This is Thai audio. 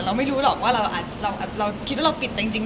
เราไม่รู้หรอกว่าเราคิดว่าเราปิดแต่จริง